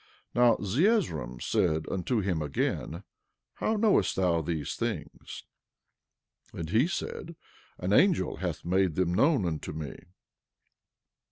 11:30 Now Zeezrom said unto him again: How knowest thou these things? 11:31 And he said: An angel hath made them known unto me.